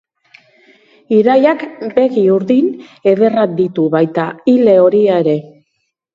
Iraiak begi urdin ederrak ditu, baita ile horia ere.